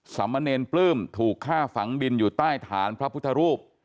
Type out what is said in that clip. มะเนรปลื้มถูกฆ่าฝังดินอยู่ใต้ฐานพระพุทธรูป